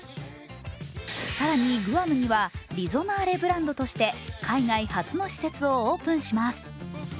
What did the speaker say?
更にグアムにはリゾナーレブランドとして海外初の施設をオープンします。